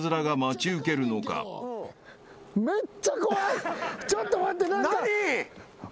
ちょっと待って何か。